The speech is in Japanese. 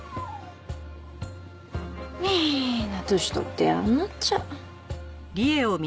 みんな年取って嫌になっちゃう。